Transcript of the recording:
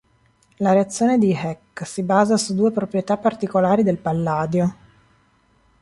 La reazione di Heck si basa su due proprietà particolari del palladio.